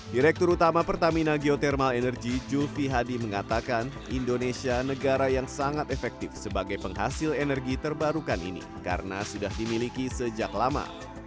direktur utama pertamina geothermal energy julfi hadi mengatakan indonesia negara yang sangat efektif sebagai penghasil energi terbarukan ini karena sudah dimiliki sejak lama